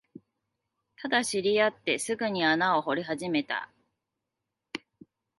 ただ、知り合ってすぐに穴を掘り始めた